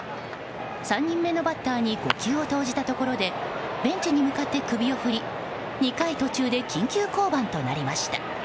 ３人目のバッターに５球を投じたところでベンチに向かって首を振り２回途中で緊急降板となりました。